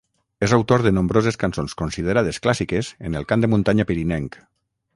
És autor de nombroses cançons considerades clàssiques en el cant de muntanya pirinenc.